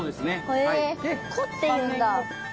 へえ「子」って言うんだ。